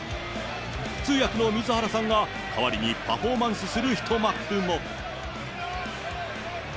通訳の水原さんが代わりにパフォーマンスする一幕も。